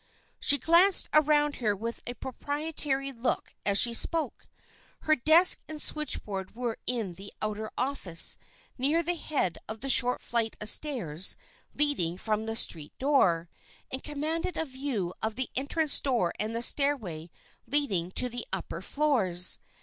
She glanced around her with a proprietary look as she spoke. Her desk and switchboard were in the outer office near the head of the short flight of stairs leading from the street door, and commanded a view of the entrance door and the stairway leading to the upper floors.